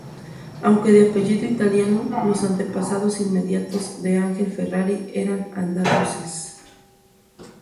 Aunque de apellido italiano, los antepasados inmediatos de Ángel Ferrari eran andaluces.